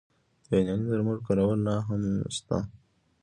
د یوناني درملو کارول لا هم شته.